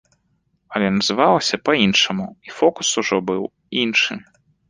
Але называлася па-іншаму, і фокус ужо быў іншы.